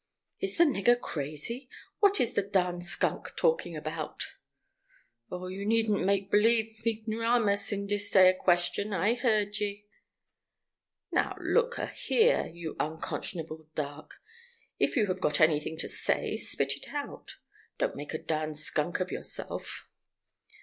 "Is the nigger crazy? What is the darn skunk talking about?" "Oh, you needn't make b'lieve ignoramus on dis 'ere question. I he'rd ye." "Now, look a here, you unconscionable dark; if you have got any thing to say, spit it out. Don't make a darn skunk of yourself."